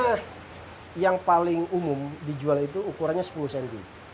karena yang paling umum dijual itu ukurannya sepuluh cm